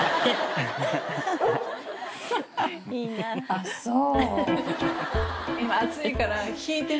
あっそう。